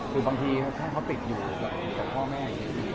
คือบางทีแค่เขาติดอยู่กับพ่อแม่